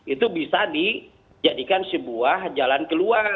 itu bisa dijadikan sebuah jalan keluar